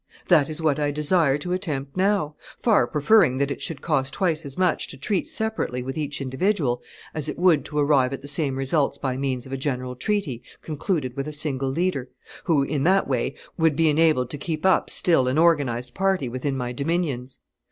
That is what I desire to attempt now, far preferring that it should cost twice as much to treat separately with each individual as it would to arrive at the same results by means of a general treaty concluded with a single leader, who, in that way, would be enabled to keep up still an organized party within my dominions.